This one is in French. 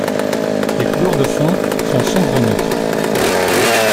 Les couleurs de fond sont sombres et neutres.